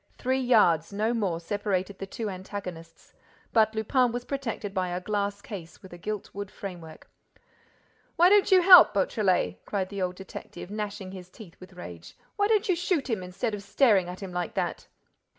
Three yards, no more, separated the two antagonists. But Lupin was protected by a glass case with a gilt wood framework. "Why don't you help, Beautrelet?" cried the old detective, gnashing his teeth with rage. "Why don't you shoot him, instead of staring at him like that?"